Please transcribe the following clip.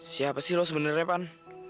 siapa sih lu sebenernya pan